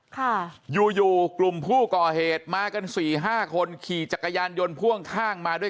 ค่ะอยู่อยู่กลุ่มผู้ก่อเหตุมากันสี่ห้าคนขี่จักรยานยนต์พ่วงข้างมาด้วย